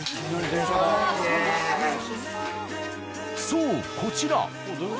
そうこちら。